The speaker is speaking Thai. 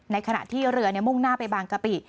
ขณะที่เรือมุ่งหน้าไปบางกะปิ